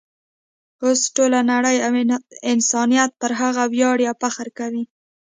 اوس ټوله نړۍ او انسانیت پر هغه ویاړي او فخر کوي.